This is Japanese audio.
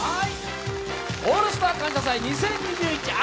「オールスター感謝祭２０２１秋」